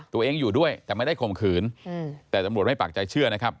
ตัวเองอยู่ด้วยแต่ไม่ได้ข่มขืนแต่ตำรวจไม่ปากใจเชื่อนะครับ